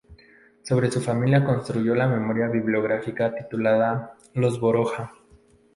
Sobre su familia construyó la memoria biográfica titulada "Los Baroja".